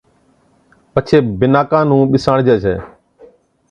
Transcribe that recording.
پڇي بِناڪان نُون ٻِساڻجي ڇَي